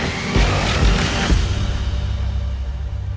โปรดติดตามตอนต่อไป